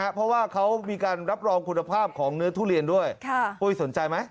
เพราะว่าเขามีการรับรองคุณภาพของเนื้อทุเรียนด้วยปุ้ยสนใจไหม